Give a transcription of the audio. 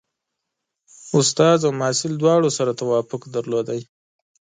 استاد او محصل دواړو سره توافق درلود.